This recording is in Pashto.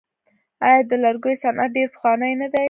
آیا د لرګیو صنعت ډیر پخوانی نه دی؟